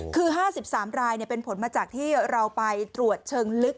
คือ๕๓รายเป็นผลมาจากที่เราไปตรวจเชิงลึก